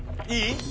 いい？